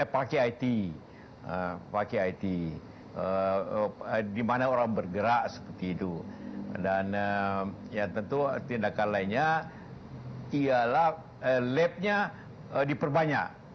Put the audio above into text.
pakai it pakai it dimana orang bergerak seperti itu dan ya tentu tindakan lainnya ialah labnya diperbanyak